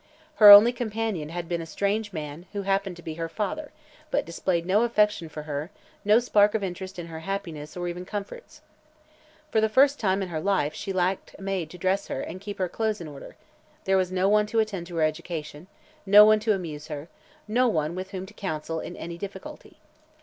Her only companion had been a strange man who happened to be her father but displayed no affection for her, no spark of interest in her happiness or even comforts. For the first time in her life she lacked a maid to dress her and keep her clothes in order; there was no one to attend to her education, no one to amuse her, no one with whom to counsel in any difficulty.